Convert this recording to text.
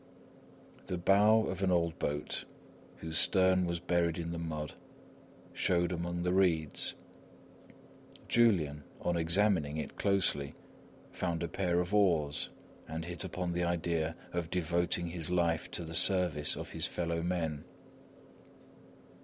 The bow of an old boat, whose stern was buried in the mud, showed among the reeds. Julian, on examining it closely, found a pair of oars and hit upon the idea of devoting his life to the service of his fellow men.